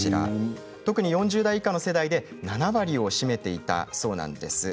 特に４０代以下の世代で７割を占めていたそうなんです。